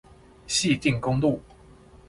汐碇公路